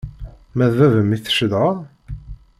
Ma d baba-m i tcedhaḍ?